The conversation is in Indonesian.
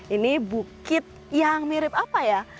ini bukit yang mirip apa ya